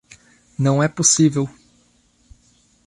Não é possível!